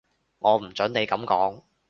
我唔準你噉講